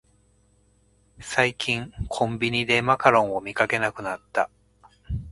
最近コンビニでマカロンを見かけなくなった